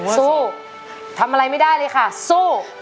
สู้ทำอะไรไม่ได้เลยค่ะสู้